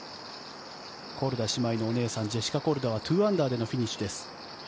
コルダ姉妹のお姉さんジェシカ・コルダは２アンダーでのフィニッシュです。